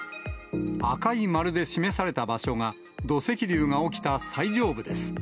赤い丸で示された場所が、土石流が起きた最上部です。